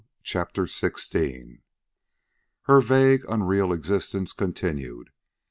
CHAPTER XVI Her vague, unreal existence continued.